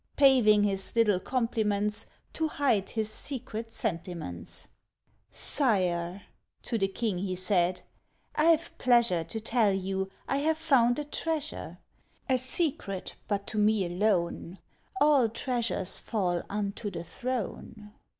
Paving his little compliments, To hide his secret sentiments. "Sire," to the King, he said, "I've pleasure To tell you I have found a treasure; A secret, but to me alone All treasures fall unto the throne."